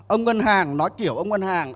ông ngân hàng nói kiểu ông ngân hàng